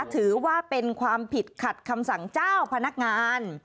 ถือว่าเป็นความผิดขัดคำสั่งเจ้าพนักงาน